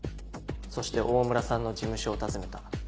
そして大村さんの事務所を訪ねた。